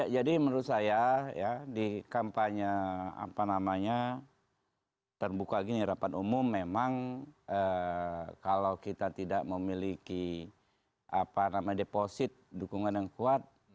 jadi menurut saya ya di kampanye apa namanya terbuka gini rapat umum memang kalau kita tidak memiliki deposit dukungan yang kuat